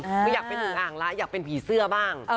ไม่อยากเป็นอึงอ่างละอยากเป็นผีเสื้อบ้าง